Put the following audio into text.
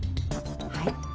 はい。